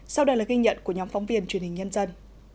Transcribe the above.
sau đây là ghi nhận của nhóm phóng viên truyền hình nhân dân